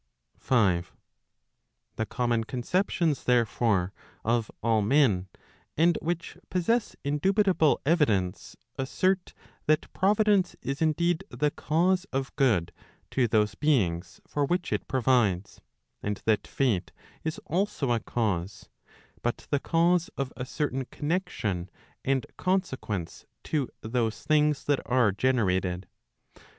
5. The common conceptions therefore of all men, and which possess indubitable evidence, assert, that Providence is indeed the cause of good to those beings for which it provides, and that Fate is also a cause, but the cause of a certain connexion and consequence to those things that are generated.